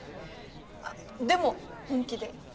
あっでも本気で。